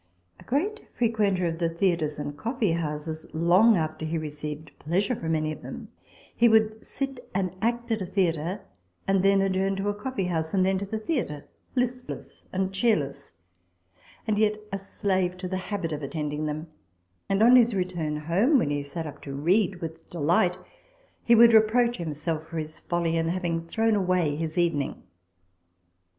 A great frequenter of the theatres and coffee houses, long after he received pleasure from any of them. He would sit an act at a theatre, and then adjourn to a coffee house, and then to the theatre, listless and cheerless ; and yet a slave to the habit of attending them ; and on his return home, when he sat up to read with delight, he would reproach himself for his folly in having thrown away his evening.